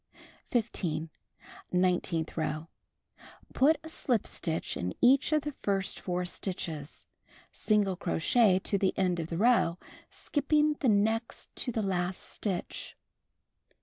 15. Nineteenth row: Put a sKp stitch in each of the first 4 stitches; single crochet to the end of the row, skipping the next to the last stitch.